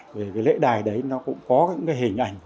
vì cái lễ đài đấy nó cũng có những cái hình ảnh